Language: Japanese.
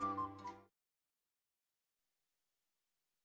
はい！